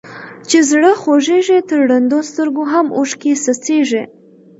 چي زړه خوږيږي تر ړندو سترګو هم اوښکي څڅيږي.